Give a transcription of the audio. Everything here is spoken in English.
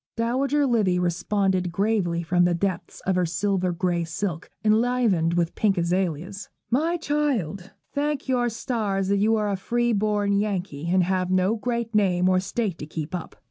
Dowager Livy responded gravely from the depths of her silver grey silk, enlivened with pink azaleas, 'My child, thank your stars that you are a free born Yankee, and have no great name or state to keep up.